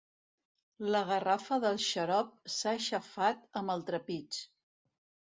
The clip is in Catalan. La garrafa del xarop s'ha aixafat amb el trepig.